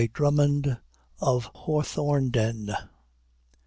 DRUMMOND OF HAWTHORNDEN.